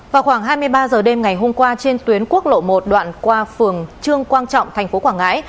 vào khoảng hai mươi ba h đêm ngày hôm qua trên tuyến quốc lộ một đoạn qua phường trương quang trọng thành phố quảng ngãi